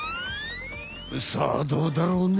さあどうだろうね。